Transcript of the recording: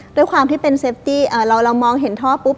ด้วยความที่เป็นเซฟตี้เรามองเห็นท่อปุ๊บ